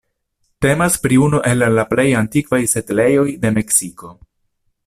Temas pri unu el la plej antikvaj setlejoj de Meksiko.